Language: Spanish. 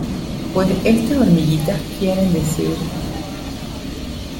pues estas hormiguitas quieren decir